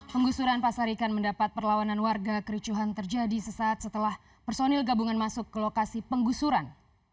penggusuran pasar ikan mendapat perlawanan warga kericuhan terjadi sesaat setelah personil gabungan masuk ke lokasi penggusuran